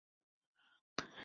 না সীতা সুরক্ষিত, না সুপর্ণা।